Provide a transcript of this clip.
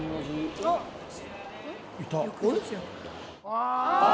ああ。